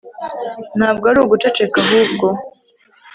Ntabwo ari uguceceka ahubwo